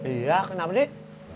iya kenapa nih